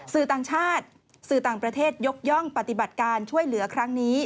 สื่อต่างชาติสื่อต่างประเทศยกย่องปฏิบัติการช่วยเหลือครั้งนี้